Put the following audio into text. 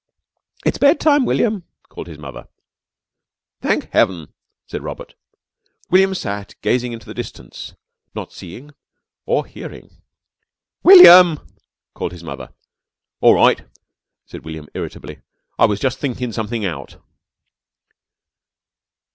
"It's bedtime, William," called his Mother. "Thank heaven!" said Robert. William sat gazing into the distance, not seeing or hearing. "William!" called his mother. "All right," said William irritably. "I'm jus' thinkin' something out."